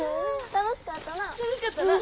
楽しかったな。